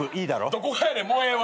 どこがやねんもうええわ。